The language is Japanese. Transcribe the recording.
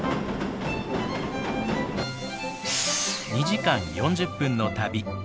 ２時間４０分の旅。